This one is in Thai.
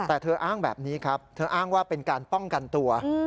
แต่เธออ้างแบบนี้ครับเธออ้างว่าเป็นการป้องกันตัว